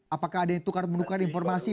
apakah ada yang tukar menukar informasi